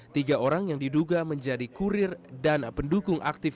tiga orang yang diduga menjadi kurir dan pendukung aktif